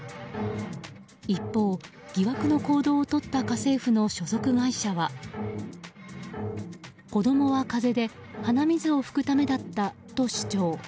一方、疑惑の行動をとった家政婦の所属会社は子供は風邪で鼻水を拭くためだったと主張。